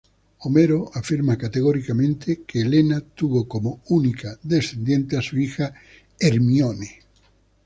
Homero afirma categóricamente que Helena tuvo como única descendiente a su hija Hermíone.